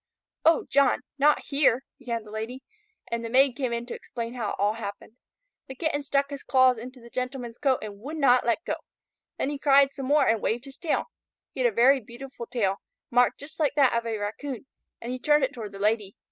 "O John, not here?" began the Lady, and the Maid came in to explain how it all happened. The Kitten stuck his claws into the Gentleman's coat and would not let go. Then he cried some more and waved his tail. He had a very beautiful tail, marked just like that of a Raccoon, and he turned it toward the Lady.